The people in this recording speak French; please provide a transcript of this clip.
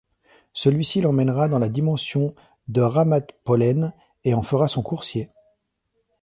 Celui-ci l'emmènera dans la dimension de Rammatpolen et en fera son coursier.